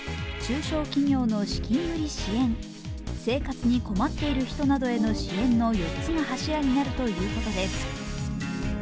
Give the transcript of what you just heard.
中小企業の資金繰り支援生活に困っている人などへの支援など４つの柱になるということです